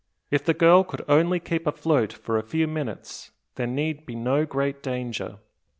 If the girl could only keep afloat for a few minutes, there need be no great danger.